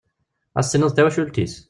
Ad as-tiniḍ d tawacult-is.